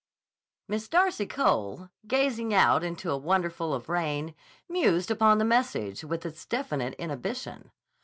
Miss Darcy Cole, gazing out into a worldful of rain, mused upon the message, with its definite inhibition.